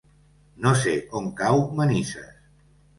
No sé on cau Manises.